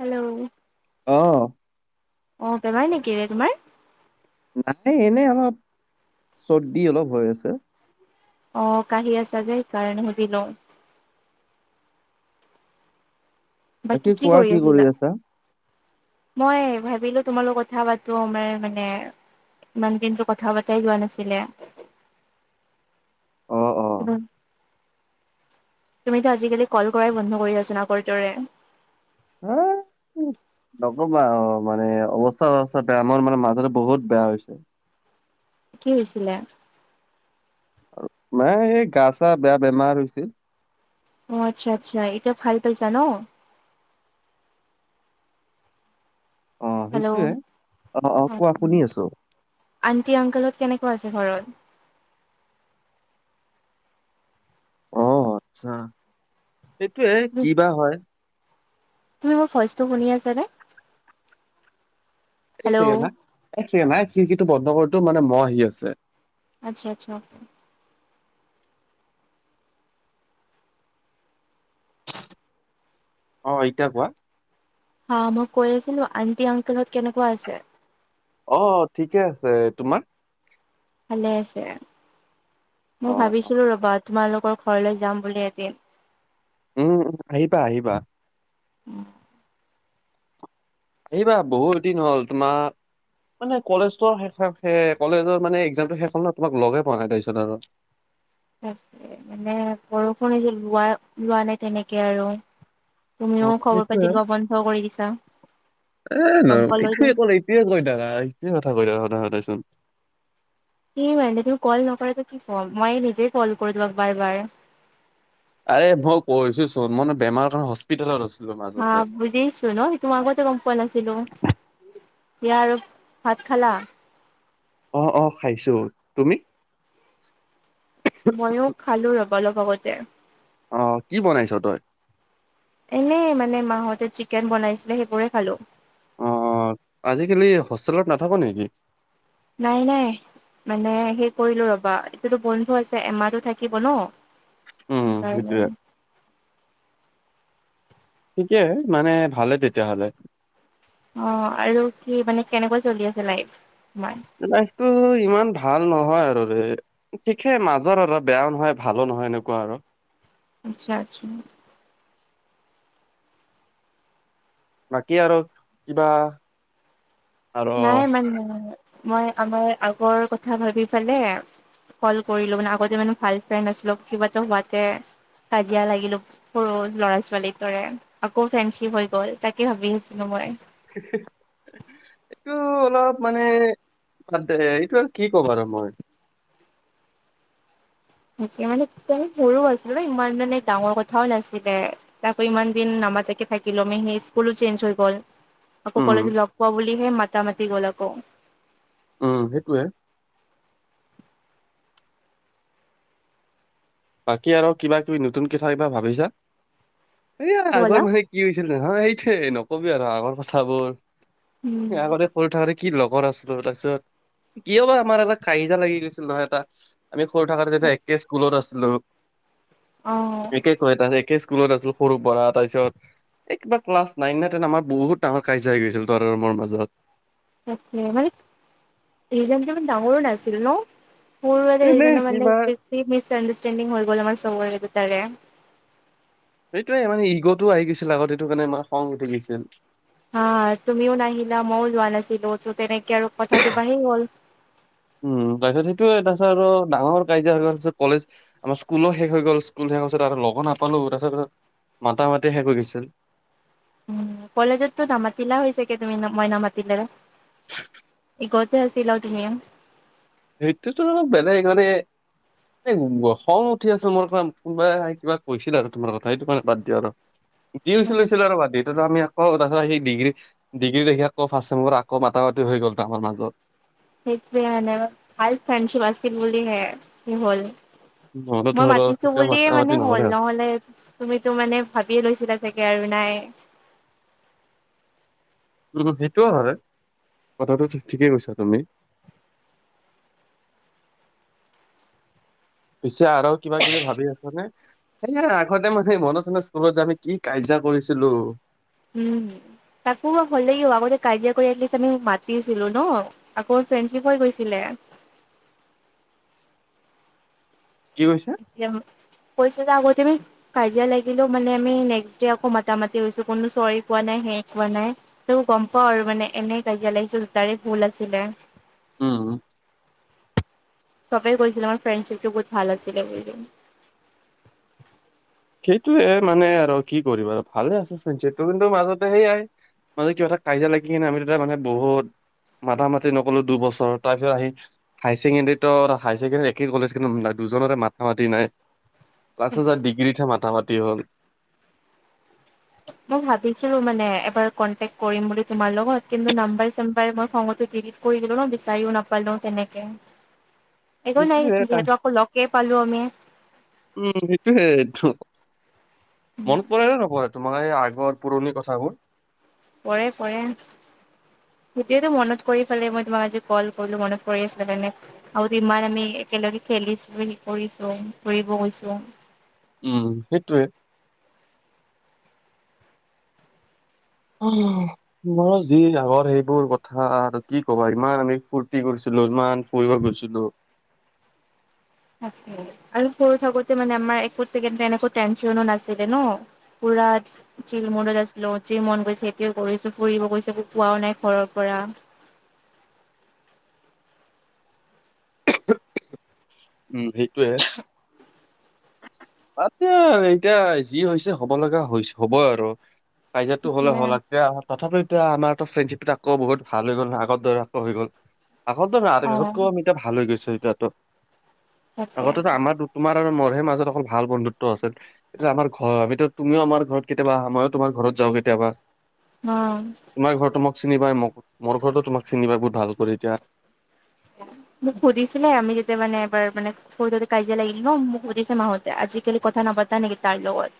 Hello, অ', অ, বেমাৰ নেকিৰে তোমাৰ? নাই এনে অলপ চৰ্দি অলপ হৈ আছে। অ, কাহি আছা সেইকাৰনে সুধিলোঁ। বাকী কোৱা কি কৰি আছা? মই ভাবিলো তোমালোকৰ কথা পাতো আমাৰ মানে। ইমান দিনটো কথা পতাই হোৱা নাছিলে অ', অ', উম। তুমিতো আজিকালি কল কৰাই বন্ধ কৰি আছিলা আগৰ দৰে। [unintelligible] নকবা অ' মানে অৱস্থা অৱস্থা বেয়া মোৰ মানে মাথাটো বহুত বেয়া হৈছে। কি হৈছিলে? মা এই গা চা বেয়া বেমাৰ হৈছিল। অ' আচ্ছা -আচ্ছা এতিয়া ভাল পাইছা ন' অ' সেইটোৱে হেল্ল' অ' কোৱা শুনি আছো। আনটি আংকল হত কেনেকুৱা আছে ঘৰত? অ' আচ্ছা সেইটোয়ে কি বা হয়। তুমি মোৰ ভইচটো শুনি আছা নে? এই চেকেণ্ড হেল্ল' হা একচেকেণ্ড হা খিৰিকিটো বন্ধ কৰিতো মানে মহ আহি আছে। আচ্ছা- আচ্ছা অ' এতিয়া কোৱা হা মই কৈ আছিলো আন্টি অংকল হত কেনেকুৱা আছে। অ' ঠিকে আছে তোমাক। ভালে আছে মই অ', ভাবিছিলো ৰবা তোমালোকৰ ঘৰলৈ যাম বুলি এদিন। উম আহিবা আহিবা। উম। আহিবা বহুত দিন হ'ল তোমাক। মানে কলেজটোৰ শেষ কলেজৰ মানে একজামটো শেষ হল ন তোমাক লগে পোৱা নাই তাৰপিছত আৰু। তাকে মানে বৰষুণ এই লোৱা লোৱা নাই তেনেকে আৰু। অ তুমিও খবৰ সেইটোৱে। পাতি লোৱা বন্ধ কৰি দিছা গম পালোঁ যে, কি কৈ থাকা কি কথা কৈ থাকা সদায় সদায় চোন। কি মানে তুমি কল নকৰা যে কি কম মই নিজে কল কৰো তোমাক বাৰ বাৰ। আৰে মই কছো এই চোন, মানে বেমাৰৰ কাৰণে হস্পিটেল হস্পিটেলত আছিলো মাত। হা বুজিছো ন' মই আগতে গম পোৱা নাছিলো ইয়াৰ আৰু ভাত খালা? অ' অ' খাইছো তুমি? ময়ো খালো ৰ'বা অলপ আগতে। অ' কি বনাইছ তই? এনেই মানে মাহতে চিকেন বনাইছিলে সেইবোৰে খালো। অ' অ' আজিকালি হোষ্টেলত নাথাক নেকি নাই নাই। মানে সেই কৰিলো ৰবা এতিয়াটো বন্ধ আছে এমাহতো থাকিব ন, উম সেইকাৰণে সেইটোৱেই। থিকে মানে ভালে তেতিয়াহ'লে। অ' আৰু কি মানে কেনেকুৱা চলি আছে লাইফ তোমাৰ? লাইফটো ইমান ভাল নহয় আৰু দে। ঠিকেই মাজৰ আৰু বেয়াও নহয় ভালো নহয় এনেকুৱা আৰু। আচ্ছা -আচ্ছা বাকী আৰু কিবা? আৰু নাই মানে মই আমাৰ আগৰ কথা ভাবি পেলাই। কল কৰিলো মানে আগতে মানে ভাল ফ্ৰেড আছিলো কিবা এটা হোৱাতে কাজিয়া লাগিলোঁ। সৰু ল'ৰা ছোৱালী দৰে আকৌ ফ্ৰেণ্ডশ্বিপ হৈ গ'ল তাকে ভাবি আছিলো মই, হি- হি- হি এইটো অলপ মানে বাদদে এইটো আৰু কি কম আৰু মই। তেতিয়া মানে একদম সৰু আছিলো ইমান মানে ডাঙৰ কথাও নাছিলে। তাকৌ ইমান দিন নামাতেকে থাকিলো আমি স্কুলো চেঞ্জ হৈ গল। আকৌ উম কলেজ লগ পোৱা বুলিহে মাতা মাতি হ'ল আকৌ। উম সেইটোয়ে। বাকী আৰু কিবা কিবি নতুন কথা কিবা ভাবিছা এই কি ক'লা আগৰ সেই। কি হৈছিল হা সেইটোৱে নকবি আৰু আগৰ কথাবোৰ। উম। আগতে সৰু থাকোতে কি লগৰ আছিলো তাৰপিছত, কিয় বা আমাৰ এটা কাজিয়া লাগি গৈছিল নহয় এটা। আমি সৰু থাকাত যেতিয়া একে স্কুলত আছিলো অ', একে কয় ডাইৰেক্ট। একে স্কুলত আছো সৰু পৰা তাৰপিছত। এই কিবা ক্লাছ নাইন নে টেন আমাৰ বহুত ডাঙৰ কাজিয়া হৈ গৈছিল তাৰ আৰু মোৰ মাজত। মানে ৰিজন টো ইমান ডাঙৰো নাছিল ন' মোৰ মানে এনে সেইদিনা মানে কিবা বেছি মিছ আণ্ডাৰষ্টেণ্ডিং হৈ গ'ল আমাৰ চবৰে দুইটাৰে। সেইটোয়ে মানে ইগটোও আহি গৈছিল আগত এইটো কাৰণে আমাৰ খং উঠি গৈছিল। হা তুমিও নাহিলা মই যোৱা নাছিলোঁ তো তেনেক কথা তো বাহি গ'ল। উম তাৰপিছত সেইটোয়ে তাৰপিছত আৰু ডাঙৰ কাজিয়া হৈ কলেজ। আমাৰ স্কুলো শেষ হৈ গ'ল, স্কুল শেষ পাছত তাতো লগ নাপালো তাৰপিছত মাতা মাতি শেষ হৈ গৈছিল। উম, কলেজততো নামাতিলা হৈছাগে তুমি মই নামাতিলে। [inaudible] ঘৰতে‌ আছিলা তুমিও? সেইতো টো‌‌ অলপ বেলেগ মানে। এ খং উঠি আছে মোৰ ক কোনোবাই কিবা কৈছিল আৰু তোমাৰ কথা সেইটো কাৰণে বাদ দিয়া আৰু। জি হৈছিল, উম, হৈছিল আৰু বাদ দিয়া। এতিয়া তৌ আমি আকৌ তাৰপিছত ডিগ্ৰী ডিগ্ৰী দেখি আকৌ ফাৰ্ষ্ট চেমত আকৌ মাতামাতি হৈ গ'ল ত আমাৰ মাজত। সেইটোৱে হয় মানে ভাল ফ্ৰেণ্ডশ্বিপ আছিল বুলি হে কি হ'ল। নহ'লে মই ধৰ মাতিছো কেতিয়াও বুলি মাতা মানে মাতি হ'ল, হয়। নহ'লে তুমিতো মানে ভাবিয়ে লৈছিলা চাগে আৰু নাই, সেইটোও হয় কথাটো ঠিকেই কৈছা তুমি। পিছে আৰু কিবা কিবি ভাবি আছা নে? সেয়া আগতে মানে মনত আছেনে স্কুলত যে আমি কি কাজিয়া কৰিছিলোঁ। উম তাকো হ'লে আগতে কাজিয়া কৰি এলিষ্ট আমি মাতিছিলো ন' আকৌ ফ্ৰেণ্ডশিপ হৈ গৈছিলে। কি কৈছা? কৈছা যে আকৌ তুমি। কাজিয়া লাগিলেও মানে আমি নেক্স ডে আকৌ মতা-মাতি হৈছো, কোনো চৰী কোৱা নাই হেৰি কোৱা নাই। ত গম পাও আৰু মানে, এনেই কাজিয়া লাগিছো দুটাৰে ভুল আছিলে। উম' চবেই কৈছিলে আমাৰ ফ্ৰেণ্ডশ্বিপটো বহুত ভাল আছিলে বুলি। সেইটোৱে মানে আৰু কি কৰিবা আৰু ভালে আছিল ফ্ৰেণ্ডশ্বিপটো, কিন্তু মাজতে সেইয়াই মানে কিবা এটা কাজিয়া লাগি কিনে আমি দুটাই মানে বহুত মাতা মাতি নকলো দুবছৰ তাৰ পিছত আহি হাই ছেকেণ্ডৰীতো হাই ছেকেণ্ডৰীও একে কলেজ, কিন্তু দুজনে মাতা মাতি নাই। পাছত জাই ডিগ্ৰীতহে মাথা মাতি হ'ল। মই ভাবিছিলো মানে এবাৰ কণ্টেক কৰিম বুলি তোমাৰ লগত, কিন্তু নাম্বাৰ চম্বাৰ খঙতে দিলিত কৰি দিলো ন, বিচাৰিও নাপালো তেনেকে একো নাই সেইটোয়ে এটা যিহেতু আকৌ লগে পালো আমি। উম, সেইটোয়ে মনত পৰে নে নপৰে তোমাৰ এই আগৰ পুৰণি কথাবোৰ। পৰে পৰে। সেইটোৱে তো মনত কৰি পেলাই মই তোমাক আজি কল কৰিলো, মনত পৰি আছিলে কাৰণে। আও যে ইমান আমি একেলগে খেলিছিলো, সি কৰিছো, ফুৰিব গৈছো। উম, সেইটোয়ে। এ ময় যি আগৰ সেইবোৰ কথা আৰু কি ক'বা ইমান আমি ফুৰ্তি কৰিছিলো ইমান ফুৰিব গৈছিলো। তাকে আৰু সৰু থাকোতে মানে আমাৰ একো [unintelligible] এনেকুৱা টেনচনো নাছিলে ন'। ফুৰাত চিল মোদত আছিলো যি মন গৈছে সেইটোৱে কৰিছো, ফুৰিব গৈছো একো কোৱা নাই ঘৰৰ পৰা। উম, সেইটোয়ে। বাদ দে আৰু এতিয়া যি হৈছে হ'ব লগা হৈছ হ'বই আৰু। কাইজিয়াটো হ'লে সেইটোৱে হ'ল [unintelligible] তথাপি এতিয়া আমাৰ ফ্ৰণ্ডশ্বিপবিলাকো বহুত ভাল হৈ গ'ল না আগত দৰে আকৌ হৈ গ'ল। আগৰ দৰে নাই অ আগতকৈ আমি এতিয়া ভাল হৈ গৈছো এতিয়াটো। তাকে আগতেটো আমাৰ তোমাৰ আৰু মোৰহে মাজত অকল ভাল বন্ধুত্ব আছিল। এতিয়া আমাৰ ঘৰ আমিটো তুমিও আমাৰ ঘৰত কেতিয়াবা আহা ময়ো তোমাৰ ঘৰত যাওঁ কেতিয়াবা। অহ', তোমাৰ ঘৰতো মোক চিনি পায় মোক মোৰ ঘৰতো তোমাক চিনি পাই বহুত ভাল কৰি এতিয়া। মোক সুধিছিলে আমি যেতিয়া মানে এবাৰ মানে সৰুতেটো কাজিয়া লাগিল ন, মোক সুধিছে মাহঁতে আজিকালি কথা নাপাতা নেকি তাৰ লগত।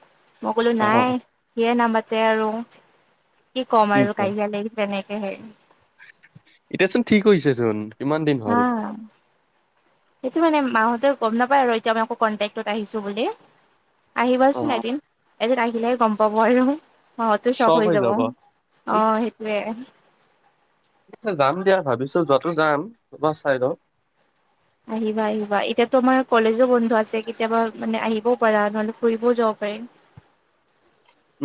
মই ক'লো অ নাই সিয়ে নামাতে আৰু। কি ক'ম আৰু কাজিয়া লাগি তেনেকে হেৰি এতিয়াচোন ঠিক হৈছেচোন? কিমান দিন হ'ল। হা। সেইটো মানে মাহঁতেওঁ গম নাপায় আৰু এতিয়া মই আকৌ কণ্টেক্টত আহিছো বুলি আহিবাচোন অ', এদিন- এদিন আহিলেহে গম পাব আৰু। হ, তো ছক হৈ যাব অ, এইটো সেইটোয়ে। আচ্ছা, যাম দিয়া ভাবিছোঁ যোৱাতো যাম এবাৰ চাই লও। আহিবা -আহিবা এতিয়াতো আমাৰ কলেজো বন্ধ আছে কেতিয়াবা মানে আহিবও পাৰা নহলে ফুৰিবও যাব পাৰিম।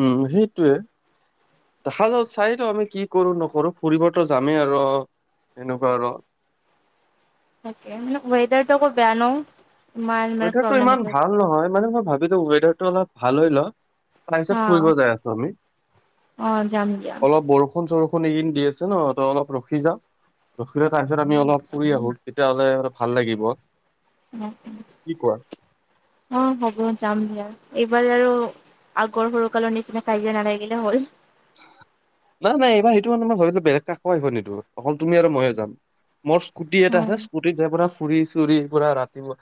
উম, সেইটোৱে। দেখা যাও চাইতো আমি কি কৰো নকৰো ফুৰিবতো যামেই আৰু অ, এনেকুৱা আৰু। তাকে [unintelligible] ৱেডাৰটো আক বেয়া ন? ইমান মানে ৱেডাৰটো প্ৰব্লেম ইমান এইটো ভাল নহয়, মানে মই ভাবিলোঁ ৱেডাৰটো অলপ ভাল হৈ ল'ক। হা তাৰপিছত ফুৰিব যাই আছো আমি অ যাম দিয়া অলপ বৰষু বৰষুণ -চৰষুন এইকেইদিন দি আছে ন'ত' অলপ ৰখি যা। ৰখিহে তাৰ পিছত আমি অলপ ফুৰি আহো তেতিয়াহ'লে অলপ ভাল লাগিব। অ', অ', কি কোৱা? [inaudible] অ, হ'ব যাম দিয়া এইবাৰ আৰু আগৰ সৰুকালৰ নিচিনা কাজিয়া নালাগিলে হ'ল। নাই -নাই এইবাৰ সেইটো কাৰনে মই ভাবিলো বেলেগ কাকো আহিব নিদু অকল তুমি আৰু ময়ে যাম। মোৰ স্কুটি এটা হ'ল আছে স্কুটিত যাই পুৰা ফুৰি চুৰি পুৰা ৰাতি [unintelligible]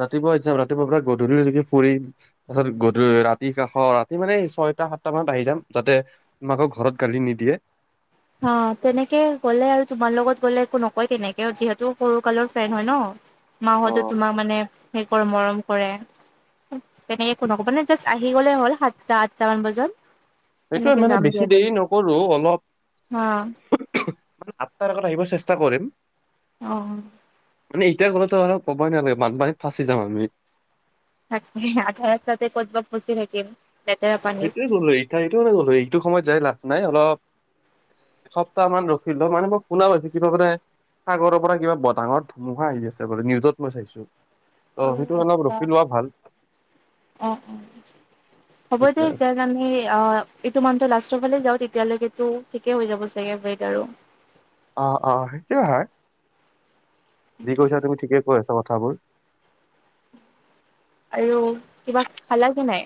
ৰাতিপুৱাই যাম ৰাতিপুৱাৰ পৰা গধূলিলৈকে ফুৰিম। তাৰপিছত গধূ ৰাতি কাষত সেই মানে ছয়টা সাতটা মানত আহি যাম যাতে তোমাকো ঘৰত গালি নিদিয়ে। হা তেনেকে গ'লে আৰু তোমাৰ লগত গ'লে একো নকয় তেনেকে যিহেতু সৰু কালৰ ফেন হয় ন? মাহঁতে তোমাক মানে সেই কৰে মৰম কৰে। তেনেকে একো নক'ব মানে জাষ্ট আহি গ'লে হ'ল সাতটা, আঠটা মান বজাত। সেইটোয়ে তেনেকে মানে যাম বেছি দিয়াতে দেৰি নকৰো অলপ হা। [unintelligible] আঠটাৰ আগত আহিব চেষ্টা কৰিম। অ', মানে এতিয়া গ'লেতো আৰু কবই নালাগে বানপানীত ফাঁচি যাম আমি। তাকে আধা ৰাস্তাতে কতবা ফছি থাকিম। লেতেৰা পান সেইটোৱে গ'লো হৈ এই ঠাইটো লৈ গলোঁ হৈ এইটো সময়ত যাই লাভ নাই অলপ এসপ্তাহ মান ৰখিলো মানে মই শুনা পাইছোঁ কিবা মানে সাগৰৰ পৰা কিবা বতাহত ধুমুহা আহি আছে বোলে নিউজত মই চাইছোঁ। অ, সেইটো অলপ ৰখি লোৱা ভাল। অ', অ', হ'ব দিয়া সেইটোৱে [unintelligible] তে আমি অ, এইটো মান্থৰ লাষ্টৰ ফালে যাওঁ তেতিয়ালৈকে টো ঠিকে হৈ যাব চাগে য়েদাৰও। অ', অ', সেইটোয় হয়। যি কৈছা তুমি ঠিকে কৈ আছা কথাবোৰ। আইয় কিবা খালা কি নাই?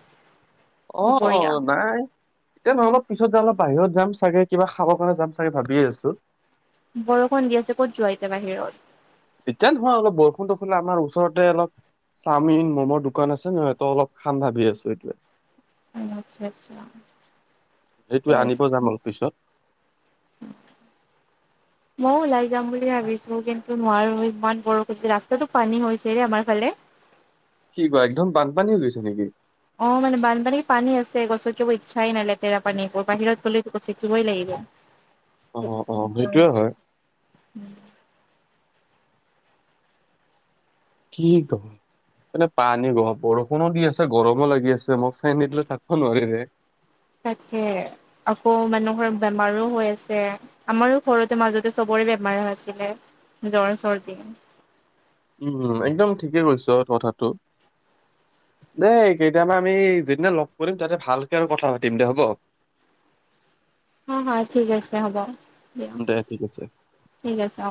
অ', দুপৰীয়া অ', নাই। তে নহয় অলপ পিছত যাম অলপ বাহিৰ যাম চাগে কিবা খাব কাৰণে যাম চাগে ভাবিয়ে আছোঁ। বৰষুণ দি আছে ক'ত যোৱা এতিয়া বাহিৰত? এতিয়া নহয় অলপ বৰষুণ [unintelligible] আমাৰ ওচৰতে অলপ চাওমিন, ম'মৰ দোকান আছে নহয় তো অলপ খাম ভাবি আছো এতিয়া। উম, আচ্ছা -আচ্ছা ঠিকে সেইটোৱে আনিব আছে। যাম অলপ পিছত [unintelligible] মইও ওলাই যাম বুলি ভাবিছো কিন্তু নোৱাৰো ইমান বৰষু হৈছে ৰাস্তাটো পানী হৈছে ৰে আমাৰ ফালে। কি কোৱা একদম বানপানী হৈ গৈছে নেকি? অ, মানে বানপানীৰ পানী আছে গছকিবৰ ইচ্ছাই নাই লেতেৰা পানীবোৰ বাহিৰত গ'লেতো গছকিবই লাগিব। অ অ সেইটোয়ে হয় [unintelligible] কি ক? মানে পানী গ বৰষুণো দি আছে গৰমো লাগি আছে মই ফেন নিদিলে থাকিব নোৱাৰি ৰে। তাকে আকৌ মানুহৰ বেমাৰো হৈ আছে। আমাৰো ঘৰতে মাজতে চবৰে বেমাৰ হৈ আছিলে জ্বৰ, চৰ্দি। উম, একদম ঠিকে কৈছ কথাটো। দে কেইতিয়াবা আমি যিদিনা লগ কৰিম তাতে ভালকে আৰু কথা পাতিম দে হ'ব? [inaudible] অ, হয় ঠিক আছে হ'ব দিয়া উম, দে ঠিক আছে। ঠিক আছে অ।